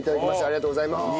ありがとうございます。